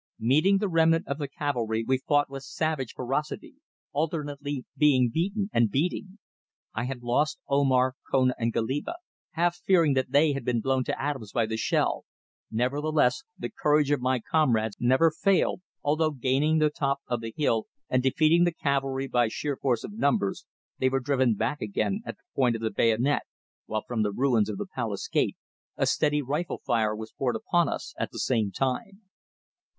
Meeting the remnant of the cavalry we fought with savage ferocity, alternately being beaten and beating. I had lost Omar, Kona and Goliba, half fearing that they had been blown to atoms by the shell, nevertheless the courage of my comrades never failed, although gaining the top of the hill and defeating the cavalry by sheer force of numbers, they were driven back again at the point of the bayonet, while from the ruins of the palace gate a steady rifle fire was poured upon us at the same time.